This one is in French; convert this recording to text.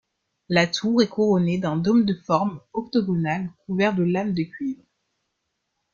La tour est couronnée d'un dôme de forme octogonale couvert de lames de cuivre.